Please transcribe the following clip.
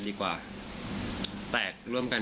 หัวฟาดพื้น